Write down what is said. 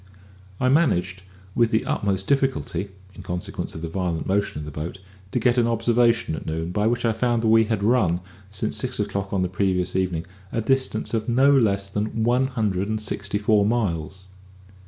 I managed, with the utmost difficulty, in consequence of the violent motion of the boat, to get an observation at noon, by which I found that we had run, since six o'clock on the previous evening, a distance of no less than one hundred and sixty four miles.